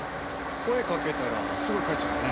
声かけたらすぐ帰っちゃったね。